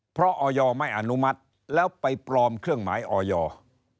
เพราะออยไม่อนุมัติแล้วไปปลอมเครื่องหมายออยอร์